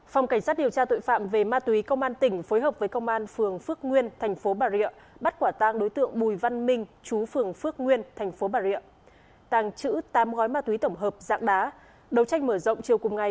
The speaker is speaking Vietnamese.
phòng cảnh sát điều tra tội phạm về ma túy công an tỉnh phối hợp với công an phường phước nguyên thành phố bà rịa bắt quả tàng đối tượng bùi văn minh chú phường phước nguyên thành phố bà rịa tàng chữ tám gói ma túy tổng hợp dạng đá